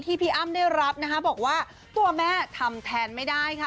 พี่อ้ำได้รับนะคะบอกว่าตัวแม่ทำแทนไม่ได้ค่ะ